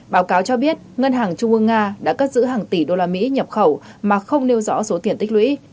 báo cáo cho biết ngân hàng trung ương nga đã cất giữ hàng tỷ đô la mỹ nhập khẩu mà không nêu rõ số tiền tích lũy